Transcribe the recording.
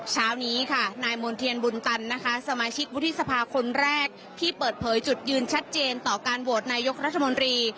เช้านี้ค่ะนายมณ์เทียนบุญตันนะคะสมาชิกวุฒิสภาคนแรกที่เปิดเผยจุดยืนชัดเจนต่อการโหวตนายกรัฐมนตรี